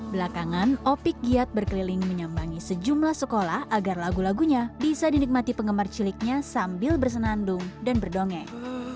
belakangan opik giat berkeliling menyambangi sejumlah sekolah agar lagu lagunya bisa dinikmati penggemar ciliknya sambil bersenandung dan berdongeng